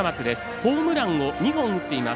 ホームランを２本打っています